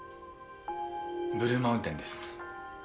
ブルーマウンテンです。